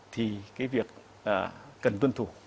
thì cái việc cần tuân thủ